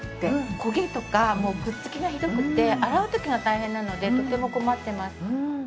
焦げとかくっつきがひどくて洗う時が大変なのでとても困ってます。